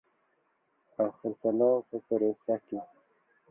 او خرڅلاو په پروسه کې